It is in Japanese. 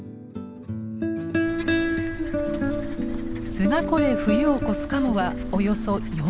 菅湖で冬を越すカモはおよそ４，０００羽。